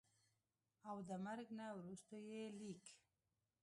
او دَمرګ نه وروستو ئې ليک